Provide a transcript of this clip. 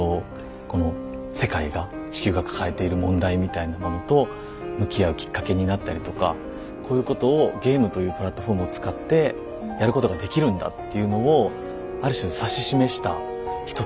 この世界が地球が抱えている問題みたいなものと向き合うきっかけになったりとかこういうことをゲームというプラットフォームを使ってやることができるんだっていうのをある種指し示した一つの作品なのかな。